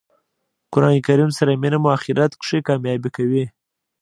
قران کریم سره مینه مو آخرت کښي کامیابه کوي.